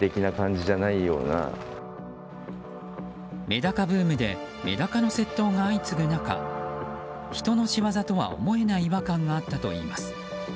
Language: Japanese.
メダカブームでメダカの窃盗が相次ぐ中人の仕業とは思えない違和感があったといいます。